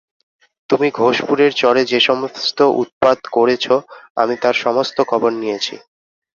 তুমি ঘোষপুরের চরে যে-সমস্ত উৎপাত করেছ আমি তার সমস্ত খবর নিয়েছি।